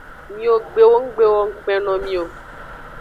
Miwo gbewo nggbe wo ngukpe no mi o.